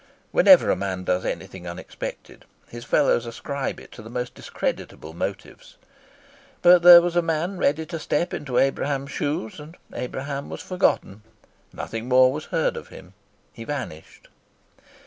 Whenever a man does anything unexpected, his fellows ascribe it to the most discreditable motives. But there was a man ready to step into Abraham's shoes, and Abraham was forgotten. Nothing more was heard of him. He vanished.